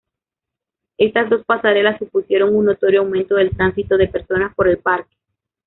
Estas dos pasarelas supusieron un notorio aumento del tránsito de personas por el parque.